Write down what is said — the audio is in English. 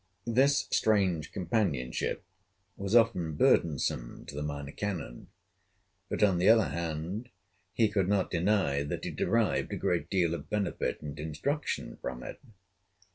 This strange companionship was often burdensome to the Minor Canon; but, on the other hand, he could not deny that he derived a great deal of benefit and instruction from it.